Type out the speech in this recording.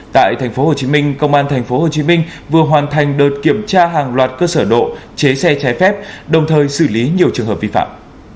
tại tp hcm công an tp hcm vừa hoàn thành đợt kiểm tra hàng loạt cơ sở độ chế xe trái phép đồng thời xử lý nhiều trường hợp vi phạm